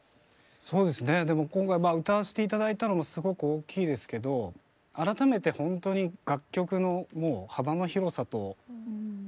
そうですねでも今回まあ歌わせて頂いたのもすごく大きいですけど改めてほんとに楽曲のもう幅の広さと作品の多さと名曲の多さと。